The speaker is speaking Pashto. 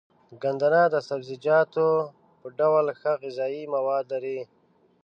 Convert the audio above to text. ګندنه د سبزيجاتو په ډول ښه غذايي مواد لري.